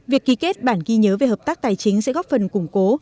việc ký kết bản ghi nhớ về hợp tác tài chính sẽ góp phần củng cố